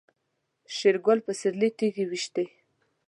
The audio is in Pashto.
شېرګل په سيرلي تيږې وويشتې.